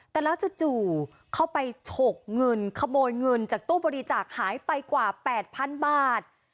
แต่แล้วจู่เขาไปฉกเงินขโมยเงินจากตู้บริจาคหายไปกว่า๘๐๐๐บาท